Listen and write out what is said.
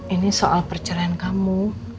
ini soal percerain kamu